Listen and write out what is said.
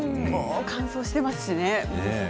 乾燥していますしね。